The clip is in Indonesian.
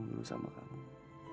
sakitnya juga serba baik ditangkap